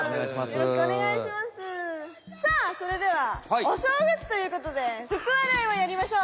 さあそれではおしょうがつということでふくわらいをやりましょう！